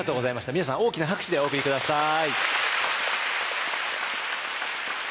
皆さん大きな拍手でお送り下さい。